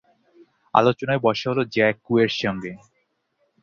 আলোচনায় বসা হলো জ্যঁ ক্যুয়ে’র সঙ্গে।